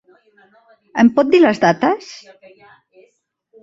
Em pot dir les dates?